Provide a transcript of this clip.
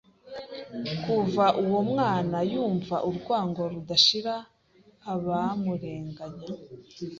Kuva uwo mwanya, yumva urwango rudashira abamurenganya